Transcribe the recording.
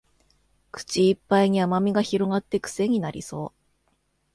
口いっぱいに甘味が広がってクセになりそう